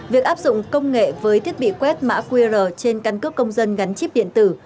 việc áp dụng công nghệ với thiết bị quét mã qr trên căn cước công dân gắn chip điện tử